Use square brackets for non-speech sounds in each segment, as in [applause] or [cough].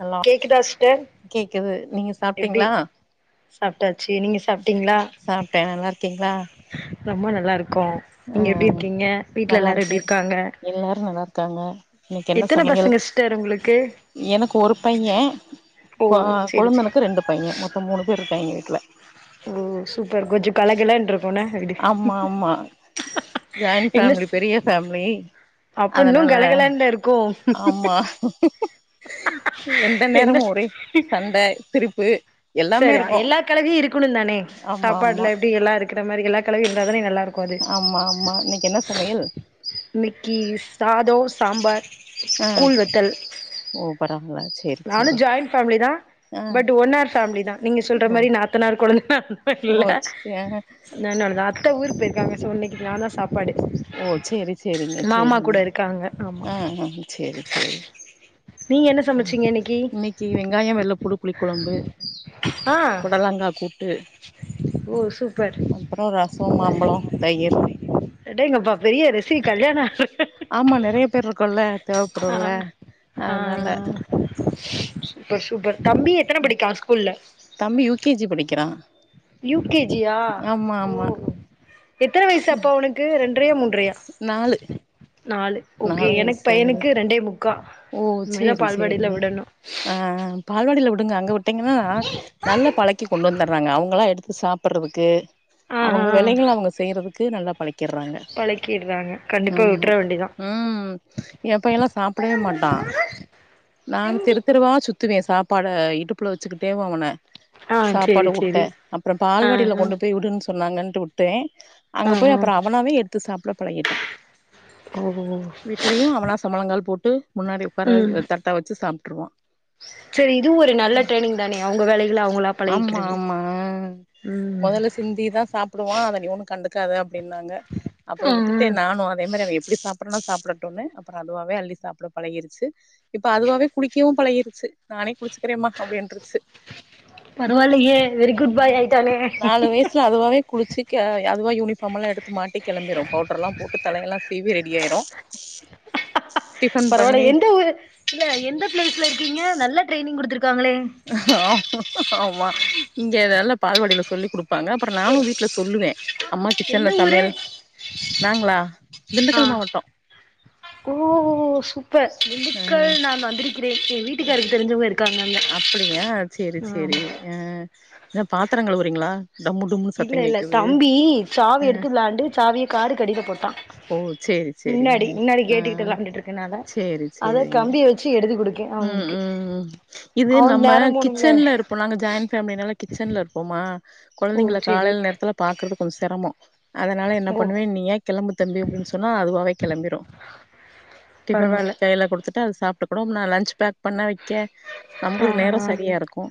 hello கேக்கு தா ஸ்டர் கேக்குது நீங்க எப்டி சாப்ட்டீங்களா சாப்ட்டாச்சு நீங்க சாப்ட்டீங்களா சாப்ட்டே நல்லா இருக்கீங்களா ரொம்ப நல்லாருக்கோ ஆ நீங்க எப்டி இருக்கீங்க வீட்டுல நல்லா எல்லாரு இருக்கே எப்டி இருக்காங்க எல்லாரு நல்லா இருக்காங்க இன்னைக்கு என்ன எத்தன சமையல் பசங்க ஸ்டர் உங்களுக்கு எனக்கு ஒரு பையே ஓ சேரி சேரி ரெண்டு பையே மொத்தோ மூணு பேரு இருக்காங்கே வீட்டுல ஓ சூப்பர் கொஞ்சு கலகலன்னுருக்கு என்ன ஆம்மா ஆம்மா ஜாயின் என்ன ஃபேமிலி பெரிய ஃபேமிலி அப்ப இன்னு அதனால கலகலன்ல இருக்கு ஆம்மா எந்த என்ன நேரமு ஒரே சண்ட சிரிப்பு எல்லாமே சேரி இருக்கு எல்லா கலவையு இருக்கணு தானே ஆமா ஆமா சாப்பாட்ல எப்டி எல்லா இருக்குற மாரி எல்லா கலவை இருந்தாதானே நல்லாருக்கு ஆமா ஆமா இன்னிக்கு என்ன சமையல் இன்னிக்கு சாதோ சாம்பார் ஆ கூழ் வத்தல் ஓ பொறமலாச் நானு ஜாயின் ஃபேமிலி தா பட் ஒன் ஆர் ஃபேமிலி தா நீங்க சொல்ற ஓ மாரி நாத்தனார் கொழுந்தனார் இல்ல ஓ ஆ நெனோடதுதா அத்த ஊருக்கு போயிருக்காங்க சொ இன்னிக்கு நா தா சாப்பாடு ஓ சேரி சேரிங்க மாமா சேரிங்க கூட இருக்காங்க ஆமா ஆ ஆ சேரி சேரி நீங்க என்ன இன்னிக்கு சமச்சீங்க இன்னைக்கி இன்னிக்கு வெங்காயோ வெள்ளப்பூடு புளி கொழம்பு ஆ புடலங்கா கூட்டு ஓ சூப்பர் அப்றோ ரச மாம்பழ தயிர் அடேங்கப்பா பெரிய ரெசி கல்யாண ஆ ஆமா நெறைய பேர் இருக்கோல்ல தேவப்படுல்ல ஆ அதனால சூப்பர் சூப்பர் தம்பி எத்தன படிக்கா ஸ்கூல்ல தம்பி யூ கே ஜி படிக்கிறா யூ கே ஜி யா ஆமா ஓ ஆமா எத்தன வயசு அப்போ அவனுக்கு ரெண்ரையா மூண் ரையா நாலு நாலு ஓகே நாலு எனக்கு வயசு ஆகுது பையனுக்கு ரெண்டே முக் க்கா ஓ இனிமே தா சேரி பால்வாடில சேரிங்க விடணு ஆ ஆ பால்வாடில விடுங்க அங்க விட்டீங்கனா நல்லா பழக்கி கொண்டு வந்துராறாங்க அவுங்களா எடுத்து சாப்புட்றதுக்கு ஆ ஆ அவுங்க வேலைகள அவுங்க செய்யறதுக்கு நல்லாப் பழக்கிறாங்க பழக்கிடுறாங்க கண்டிப்பா ஆமா விட்ற வேண்டிதா ம் எ பையலா சாப் டவே மாட்டா நானு தெரு தெருவா சுத் துவே சாப்பாட இடுப்புல வெச்சுக்கிட்டேவு அவன ஆ சேரி சாப்பாடு ஊட்ட சேரி அப்ற ஆ பால்வாடில ஆ கொண்டு போய் விடுன்னு சொன்னாங்கன்ட்டு விட்டே ஆ அங்க போய் அப்பற ஆ அவனாவே எடுத்து சாப்ட பழகிட்டா ஓ வீட் ட்லயு அவனா சமனங்கால் போட்டு முன்னாடி உக்கார தட்ட வெச்சு சாப்ட்ருவா சேரி இதுவு ஒரு நல்ல ட்ரைனிங் தானே அவுங்க வேலைகள அவுங்களா ஆமா பழகிக்கிறது ஆமா ம் மொதல்ல சிந்தி தா சாப் டுவா அத நீ ஒன்னு கண்டுக்காத அப்டின்னாங்க அப்பற ஆ ஆ விட்டுட்டே நானு அதே மாரி அவ எப்டி சாப் அப்பறன சாப்டட்டுன்னு அப்பற அதுவாவே அள்ளி சாப்புட பழகிருச்சு இப்ப அதுவாவே குளிக்கவு பழகிருச்சு நானே குளிச்சுக்கிறேம்மா அப்டின்றுச்சு பரவால்லயே வெரி குட் பாய் ஆயிட்டானே ட்டு அதுவாவே குளிச்சு கெ அதுவா யூனிஃபார்மெல்லா எடுத்து மாட்டி கெளம்பிரு பவுட்ருலா போட்டு தலயெல்லா சீ சீவி ரெடி ஆயிரு டிஃபன் பரவால்ல பண்ணி எந்த இல்ல எந்த பிளேஸ்ல இருக்கீங்க நல்லா ட்ரெனிங் குடுத்துருக்காங்களே ஆமா இங்க இதெல்லா பால்வாடில சொல்லி் குடுப் பாங்க அப்பற நானு வீட்ல சொல்லுவே அம்மா எந்த கிச்சன்ல ஊரு சமையல் நாங்களா திண்டுக்கல் மாவட்ட ஓஹோ சூப்பர் ஆ திண்டுக்கல் நா வந்திருக்கிறேன் எ வீட்டுக்காருக்கு தெரிஞ்சவ்ங்க இருக் அப்டிங்கா சேரி சேரி ஆ என்ன பாத்தரங் கழுவுறீங்களா டம்மு டும்முன்னு இல்ல சத்தம் இல்ல கேக்குது தம்பி சாவி அ எடுத்து வெளாண்டு சாவிய காருக்கு அடில போட்டா ஓ சேரி சேரிங்க முன்னாடி முன்னாடி ஆ கேட்டுக்கிட்ட வெளாண்டுட்ருக்கனால சேரி அத சேரிங்க கம்பிய வச்சு எடுத்து குடுத் ம் ம் இது நம்ம நேரம் போணும்ல கிச்சன்ல இருப்போ நாங்க ஜாயின் ஃபேம்லினால கிச்சன்ல இருப்போமா ஓ கொழந்தைங்கள செரி காலைல நேரத்துல பாக்குறது கொஞ்ச செரம அதனால என்ன ஓ பண்ணுவே நீயா கெளம்பு தம்பி அப்டின் சொன்னா அதுவாவே கெளம்பிரு டிஃபன் பண்ணி பரவால்ல கையில குடுதுட்டா அது சாப்டுக்கு நா லஞ்ச் பேக் பண்ண வெக் க்க நமக்கு இது நேர ஆஹா சரியா இருக்கு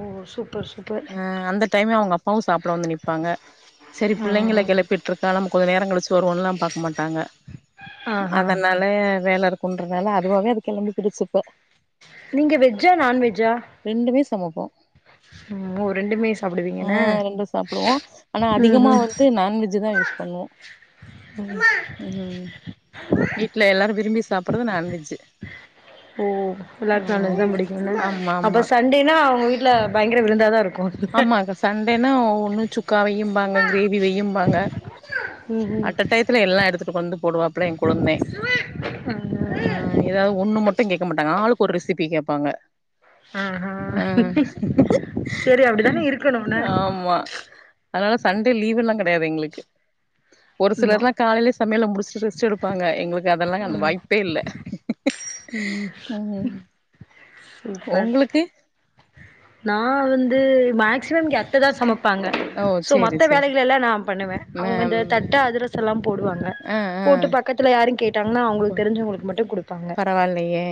ஓ சூப்பர் சூப்பர் ம் அந்த டைமே அவ்ங்க அப்பாவு சாப்ட வந்து நிப்பாங்க சேரி பிள்ளைங்கள ஆஹா கெளபிட்ருக்கா நம்ம கெஞ்ச நேரங் கழிச்சி வருவோன்லா பாக்க மாட்டாங்க ஆஹா அதனால வேல இருக்குன்றதால அதுவாவே அது கெளம்பிக் [unintelligible] கிடுச்சு இப்ப நீங்க வெஜ்ஜா நான்வெஜ்ஜா ரெண்டுமே சமப்போ ம் ஓ ரெண்டுமே சாப்டுவீங்க ஆ என்ன ரொம்ப சாப்டுவோ ஆன ம் அதிகமா ம் வந்து நான்வெஜ்ஜி தா யூஸ் பண்ணுவோ உம் ம் வீட்ல எல்லாரு விரும்பி சாப்பறது நான்வெஜ்ஜி ஓ எல்லாருக்கு நான்வெஜ் தா புடிக்கும்ல ஆமா அப்போ ஆமா சண்டேனா அவங்க வீட்ல பயங்கர விருந்தாதா இருக் ஆமா இப்ப சண்டேனா ஒன்னு சுக்கா வெயும்பாங்க கிரேவி வெயும்பாங்க ம் அட்ட டைத்துல எல்லா எடுதுட்டு வந்து போடுவா இப்ப தா எ கொழுந்த ஆ ம் எதாவது ஒண்ணு மட்டும் கேக்க மாட்டாங்க ஆளுக் ஒரு ரெசிப் பி கேபாங்க ஆஅ செரி அப்டிதானே இருகணும் ன ஆமா அதனால சண்டே லீவு லா கெடையாது எங்ளுக்கு ஒரு ஆமா சிலர்ல்லா காலையிலே சமையல முடிச்சிட்டு ரெஸ்ட் எடுபாங்க எங்ளுக்கு அதெல்லா அந்த வாய்ப்பே இல்ல ம் ம் சூப்பர் உங்களுக்கு நா வந்து மேக்சிமம் இங்க அத்ததா சமப் பாங்க ஓ சோ சேரி மத்த சேரி வேலைகள் எல்லா நா பண்ணுவே அவங்க மேம் இந்த தட்ட அதிரசல்லா போடுவாங்க ஆ ஆ போட்டு பக் கத்துல யாரு கேட்டாங்கன்னா அவங்ளுக்கு தெரிஞ்சவங்ளுக்கு மட்டு குடுபாங்க பரவால்லையே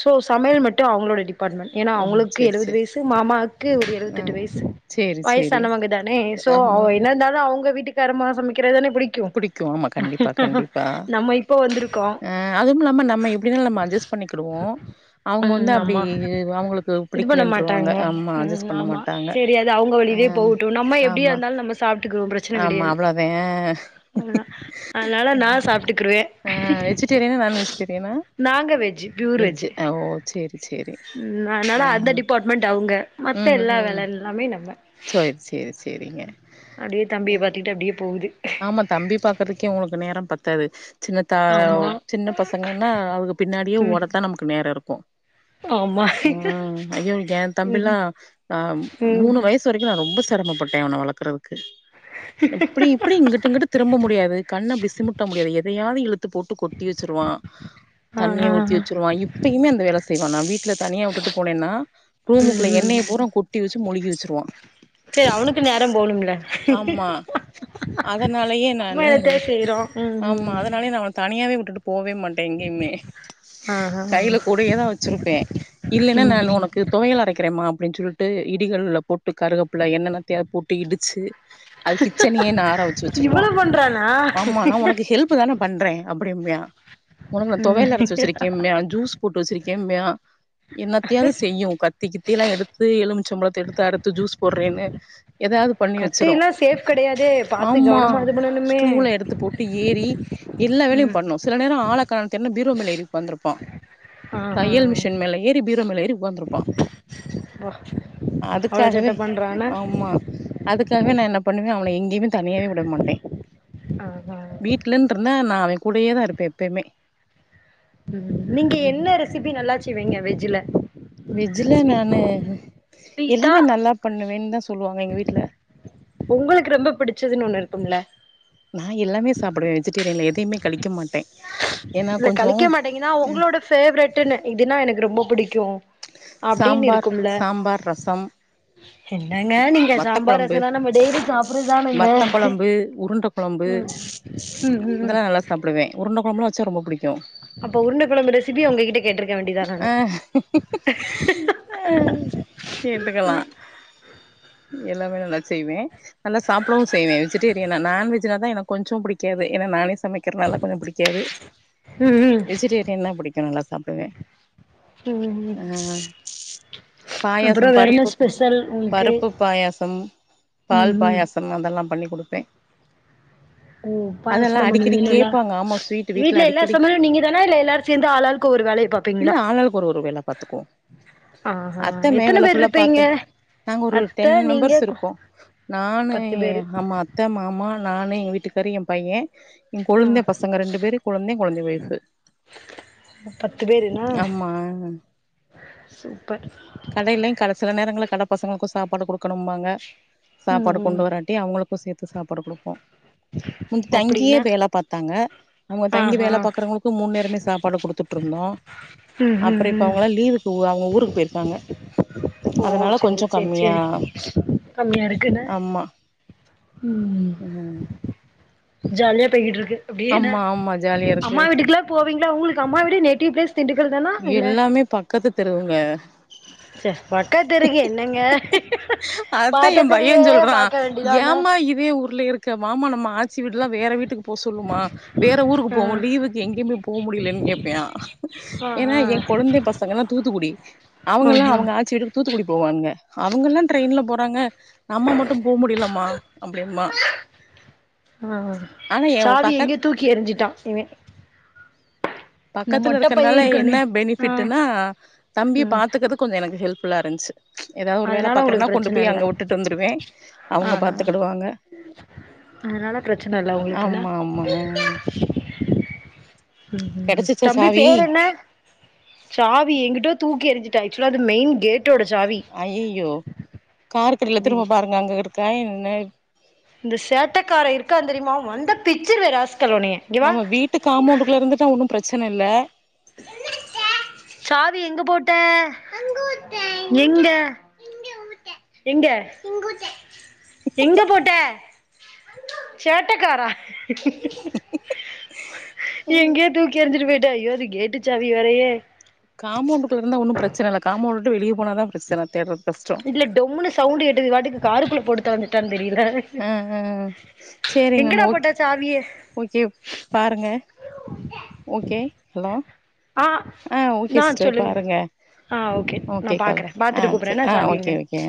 சோ சமையல் மட்டும் அவங்ளோட டிபார்ட்மெண்ட் ஏனா ஓ அவங்ளுக்கு சேரி எழுபது சேரி வய்சு மாமாவுக்கு ஒரு ஆ எழுவத்தெட்டு வய்சு சேரி சேரி வயசானவங்க தானே சோ ஆமா அவங்க இது என்ன இருந்தாலு அவங்க வீட்டுக்காரம்மா சமைக்கிறதுதானே புடிக் புடிக்கு ஆமா கண்டிப்பா கண்டிப்பா நம்ம இப்போ வந்திருக்கோ அ அதுவும் இல்லாம நம்ம எப்டினா நம்ம அஜ்ஜஸ் பண்ணிகிடுவோ அவங்க வந்து ம் அப்டி அவங்களுக்கு பிடிக்கலேன்றோ டாங்க ஆமா செரி அது அவங்க ஆ வழியிலே போகட்டு நம்ம எப்டியா ஆமா இருந்தாலு நம்ம சாப்ட்டுகுரு பிர ச்சன ஆமா கெடையாது அவ்ளோதே அது நா அதனால நா சாப்ட்டுகுருவே ஆ வெஜிடேரியனா நான் வெஜ்ஜிடேரியனா நாங்க வெஜ்ஜு பியூர் வெஜ்ஜு ஓ செரி செரி அதனால அந்த டிபார்ட்மெண்டட் அவங்க மத்த ம் எல்லா ம் வேலைலாமே நம்ப சேரி சேரி செரிங்க அப்டியே தம்பிய பாத்துட்டு அப்டியே போகுது ஆமா தம்பி பாக்கறதுகே உங்ளுக்கு நேரம் பத்தாது சின்ன தா ஆமா சின்ன பசங்கன்னா அங்க பின்னாடியே ம் ஓடத்தா நமக்கு நேர இருக்கு ஆமா உம் ஐயோ எ ம் தம்பில்லா ஆ ம் மூணு வய்ஸ் சு வரைக்கு நா ரொம்ப சிரமப்பட்டே இவன வளரக்கறதுக்கு எப்டி அப்டி இங்கிட்டு இங்கிட்டு திரும்ப முடியாது கண்ணு அப்டி சிமிட்ட முடியாது எதையாவது இழுத்து போட்டு கொட்டி வெச்சுருவா ஆ ஆ தண்ணிய ஊத்தி ஆ வெச்சுடுவா இப்பயுமேந்த வேலை செய்வா நா வீட்ல தனியா விட்டுட்டு போனேன்னா ம் ரூமுக்குள்ள எண்ணெய பூரா கொட்டி வெச்சு மொழுகி வெச்சருவா செரி அவனுக்கு நேரம் போனும்ல அதனாலேயே நானு செய்றோ ம் ஆமா ம் அதனாலயே நானு அவன தனியாவே விட்டுட்டு போவே மாட் டே எங்கயுமே ஆ ஆ ஆ கையில கூடேயேதா வெச்சிருப்பே இல்லன்னா ம் நா ம் உனக்கு தொவையல் அரைக்கிறேம்மா அப்டின் சொல்லிட்டு இடிகள்ல போட்டு கருவேப்பில எண்ணெ எண்ணெத்தையோ போட்டு இடிச்சு அது கிச்சனையே நார வெச்சு வெச்சிருவா இவ்வளவு பண்றானா ஆமா நா உனக்கு ஹெல்ப் தானே பண்றே அப்டிம்பா உனகு நா ம் தொவையல் அரைச்சு வெச்சிருக்கேம்பே அ ஜீஸ் போட்டு வெச்சிருக்கேன்ம்பா என்னாத்தையாவது செய்யும் உக்கா கத்தி கித்தி எல்லா எடுத்து எலுமிச்சம்பளத்த எடுத்து அறுத்து ஜீஸ் போடுறேன்னு எதாவது கத்தில்லா சேஃப் கெடையாதே பாத்து ஆமா கவனமா இது பண்ணணுமே ஸ்டூல எடுத்து போட்டு ஏறி எல்லா வேலையு ம் பண்ணு சில நேரோ ஆளக் காணோ தேடுனா பீரோ மேல்லா ஏறி ஒக்கந்திருப்பா ஆ ஆ தையல் மிஷின் கட்டில் மேல ஏறி பீரோ மேல ஏறி உக்காந்துருப்பா வா அவ்ளோ அதுக்காகவே சேட்ட பண்றானா ஆமா அதுக்காகவே நா என்ன பண்ணுவே அவன எங்கேயுமே தனியாவே விட மாட்டே ஆ ஆ வீட் லன்ருந்தா நா அவே கூடயேதா இருப்பே எப்பயுமே நீங்க ம் என்ன ரெசிபி நல்லாச் செய்வீங்க வெஜ்ஜுல வெஜ்ல ஸ்வீட் நானு ஸ்வீட்டா எல்லாமே நல்லா பண்ணுவேன்னு தா சொல்லுவாங்க எங்க வீட்ல உங்களுக்கு ரொம்ப புடிச்சதுன்னு ஒன்னு இருக்கும்லா நா எல்லாமே சாப்டுவே வெஜிடேரியன்ல எதையுமே கழிக்க மாட்டே ஏன்னா இல்ல கொஞ்சோ கழிக்க மாட்டீங்கன்னா அ உங்களோட பேவரெட்ன்னு இதுன்னா எனக்கு ரொம்ப புடிக்கு சாம்பார் சாம்பார் ரசம் என்னங்க நீங்க வத்த சாம்பார் கொழம்பு ரசம்ல்லா நம்ப டெய்லி சாப் வத்த கொழம்பு உருண்ட கொழம்பு ம் ம் ம் ம் இதெல்லா நல்லா சாப்டுவே உருண்ட கொழம்பல வச்ச ரொம்ப புடிக்கு அப்ப உருண்ட கொழம்பு ரெசிபி உங்ககிட்ட கேட்டிருக்க வேண்டிதா நானு அ கேட்டுக்கலா எல்லாமே நல்லா செய்வே நல்லா சாப் டவு செய்வே வெஜ்டரியனா நான்வெஜ்னாதா எனக்கு கொஞ்சோ புடிக்காது ஏனா நானே சமைக்கிறனாலா கொஞ்சோ பிடிக்காது ம் வெஜிடேரியன்னா புடிக்கு நல்லா சாப்டுவே ம் ம் ம் ஆ அப்றோ பாயாசம் வேற என்ன பருப்பு ஸ்பெஷல் உங்களுக்கு பருப்பு பாயாசம் ம் பால் ம் பாயாச [unintelligible] அதெல்லா பண்ணி குடுப்பே ஓ அதெல்லா பாயசம்ல அடிக்கடி பண்ணுவீங்ளா கேப்பாங்க ஆமா ஸ்வீட் வீட்ல எல்லா அடிக்கடி சமையலு நீங்க தானா இல்ல எல்லாரு சேந்து ஆளாளுக்கு ஒரு வேலைய பாப் இல்ல ஆளாளுக்கு ஒரு ஒரு வேல பாத்துக்குவோ ஆஹா அத்த மே எத்தன வேல பேர் ஃபுல்லா இருப்பீங்க பாத்து நாங்க ஒரு அத்த டென் நீங்க மெம்பர்ஸ் இருக்கோ நானு பத்து எ பேரு ஆமா அத்த மாமா நானு ஏ வீட்டுக்காரு ஏ பைய ஏ ஆ கொழுந்தே பச பசங்க ரெண்டு பேரு கெழுந்தே கெழுந்தே ஓஃய்பு பத்து பேருனா ஆமா சூப்பர் கடையில கட சில நேரங்கள்ல கட பசங்களுக்கு சாப்பாடு குடுக்கனும்பாங்க ம் சாப்பாடு கொண்டு ம் வராட் கு சேத்து சாப்பாடு குடுக்கனு முந்தி தங்கியே அப்டின்னா வேல பாத்தாங்க அவுங்க தங்கி ஆஹா வேல பாக்குறவங்களுக்கு மூணு நேரமே சாப்பாடு குடுத்துட்டு இருந்தோ ம் ம் அப்பற இப்ப ம் அவுங்கங்களா லீவுக்கு அவுங்க ஊருக்கு போயிருக்காங்க ஓ அதனால சேரி கொஞ்சோ சேரி கம்மியா சேரி கம்மியா இருக்குன்ன ஆமா ம் ஜாலியா போய்கிட்டுருக்கு அப்டியென்னா ஆமா ஆமா ஜாலியா இருக்கு அம்மா வீட்டுக்குல்லா போவீங்களா உங்களுக்கு அம்மா வீடு நேட்டிவ் பிளேஸ் திண்டுக்கல் தானா இல்ல எல்லாமே பக்கத்து தெருவுங்க செ பக்காது தெருக்கு என்னங்க அத்தா ஏ பாத்த பைய தெருவே சொல்றா பாக்க வேண்டிதான ஏமா இதே ஊர்ல இருக்க வாமா நம்ம ஆச் சி வீட்ல்லா வேற வீட்டுக்கு போக சொல்லுமா வேற ஊருக்கு போவோ ஆ லீவுக்கு எங்கேயுமே போ முடியலன்னு கேப்பியா ஏனா ஏ ஆ கொழுந்தே பசங்கல்லா தூத்துக்குடி ஆ அவுங்கல்லா ஆ அவுங்க ஆச்சி வீட்டுக் தூத்துக்குடி போவ்வாங்க அவுங்கல்லா ரெயின்ல போறாங்க நம்ம மட்டு போ முடியலாமா அப்டிம்பா ஆ ஆனா எ சாவி பக்கத்து எங்கேயோ தூக்கி எரிஞ்சிட்டா இவே பக்கத்துல இருக்கறனால பைய இருக்கானே என்ன ஆ பெனிஃபிட்டுனா தம்பிய ம் பாத்துக் அது கொஞ்சோ எனக்கு ஹெல்ப் ஃபுல்லா இருந்துச்சி ஏதாவது ஒரு வேலை அதனால பாக்குறேன்னா உங்களுக்கு கொண்டு பிரச்சன போய் இல்ல அங்க விட்டுட்டு வந்துருவே ஆ அவங்க ஆ பாத்துக்கிடுவாங்க அதனால பிரச்சனை இல்ல உங்களுக்கு என்ன ஆமா ஆமா ம் ம் கெடச்சிச்சா தம்பி சாவி பேர் என்ன சாவீ எங்குட்டோ தூக்கி எறிஞ்சிட்டா ஆக்சுவலா அது மெயின் கேட் அய்யய்யோ கார்கடில தி திரும்ப பாருங்க அங்க இருக்கா என்ன இந்த சேட்டக்காரே இருக்கா தெரியுமா வந்த பிச்சுருவே ராஸ்கேல் உன்னய நம்ம வீட்டு காம்பவுண்டுக்குள்ள இருந்துட்டா ஒன்னு பிரச்சனை இல்ல [inaudible] சாவி எங்க போட்ட எங்க எங்க எங்க போட்ட சேட்ட காரா எங்கயோ தூக்கி எறிஞ்சிட்டு போயிட்டா ஐயோ அது கேட்டு சாவி வேறயே காம்பவுண்ட் குள்ள இருந்தா ஒன்னு பிரச்சனை இல்ல காம்பவுண்ட விட்டு வெளிய போனாதா பிரச்சனை தேட்றது கஷ்டோ இல்ல டொம்முன்னு சவுண்ட் கேட்டது இது வாட்டுக்கு காருக்குள்ள போட்டு தொலஞ்சுட்டான்னு தெரியல ஆ ஆ சேரிங்க மேம் எங்கடா ஓகே போட்டா சாவிய ஓகே பாருங்க ஓகே ஹலோ ஆ ஆ ஓகே நா சிஸ்டர் சொல்லுங்க பாருங்க ஆ நா ஓகே கால் பாக்குறே ஆ பாத்துட்டு கூப்புட்றே சரி என்ன ஆஹ சாவி ஓகே எங்கன்னு ஓகே